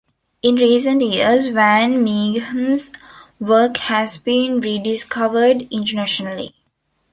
In recent years Van Mieghem's work has been rediscovered internationally.